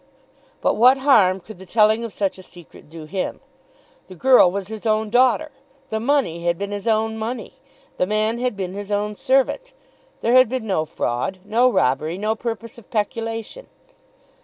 But what harm could the telling of such a secret do him? The girl was his own daughter! The money had been his own money! The man had been his own servant! There had been no fraud; no robbery; no purpose of peculation.